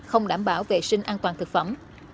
không đảm bảo vệ sinh an toàn thực phẩm